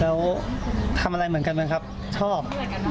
แล้วทำอะไรเหมือนกันบ้างครับชอบ